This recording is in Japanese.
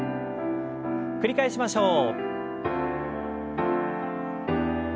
繰り返しましょう。